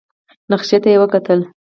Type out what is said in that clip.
نخشې ته يې وکتل.